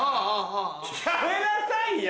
やめなさいよ！